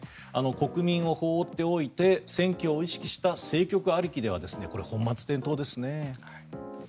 国民を放っておいて選挙を意識した政局ありきではこれ、本末転倒ですね。